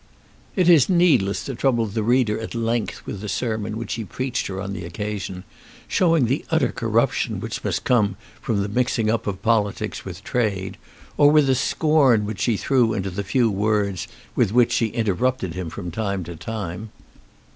It is needless to trouble the reader at length with the sermon which he preached her on the occasion, showing the utter corruption which must come from the mixing up of politics with trade, or with the scorn which she threw into the few words with which she interrupted him from time to time.